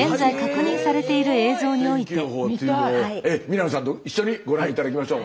南さんと一緒にご覧頂きましょう。